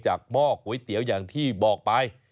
หม้อก๋วยเตี๋ยวอย่างที่บอกไป